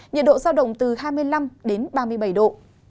nhiệt độ giao động từ hai mươi năm đến ba mươi bảy độ